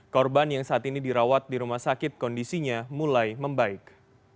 korban yang saat ini dirawat di rumah sakit kondisinya mulai membaik